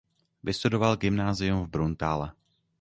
Vystudoval gymnázium v Bruntále.